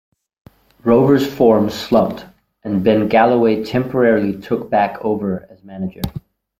Rovers' form slumped, and Ben Galloway temporarily took back over as manager.